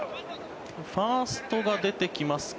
ファーストが出てきますか。